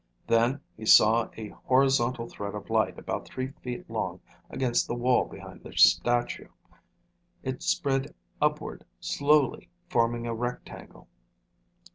Then he saw a horizontal thread of light about three feet long against the wall behind the statue. It spread upward slowly, forming a rectangle.